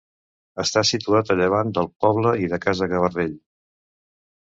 Està situat a llevant del poble i de Casa Gavarrell.